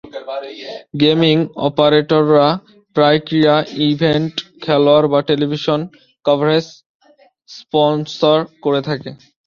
Gaming অপারেটররা প্রায়ই ক্রীড়া ইভেন্ট, খেলোয়াড় বা টেলিভিশন কভারেজ স্পন্সর করে থাকে।